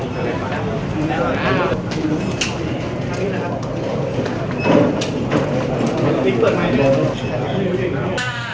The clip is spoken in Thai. ทีเราร์ตแล้วครับ